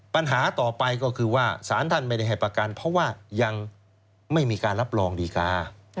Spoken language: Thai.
ปัญหาต่อไปก็คือว่าสารท่านไม่ได้ให้ประกันเพราะว่ายังไม่มีการรับรองดีกา